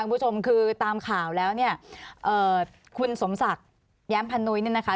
คุณผู้ชมคือตามข่าวแล้วเนี่ยเอ่อคุณสมศักดิ์แย้มพันนุ้ยเนี่ยนะคะ